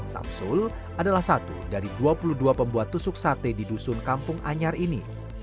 samsul adalah satu dari dua puluh dua pembuat tusuk sate di dusun kampung anyar ini